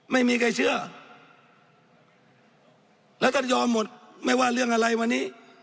ไม่มีใครเชื่อแล้วท่านยอมหมดไม่ว่าเรื่องอะไรวันนี้